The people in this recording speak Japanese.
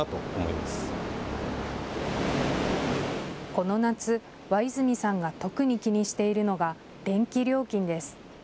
この夏、和泉さんが特に気にしているのが電気料金です。